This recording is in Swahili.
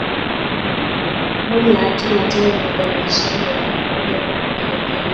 Moja ya hatua hatari ni udhalilishaji wa kundi moja kwa kundi lingine